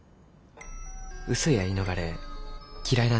嘘や言い逃れ嫌いなんですよね。